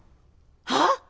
はっ？